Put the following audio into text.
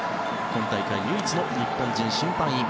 今大会唯一の日本人審判員。